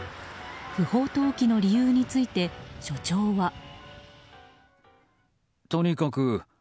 不法投棄の理由について所長は。